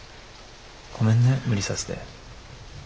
ごめんね無理させて。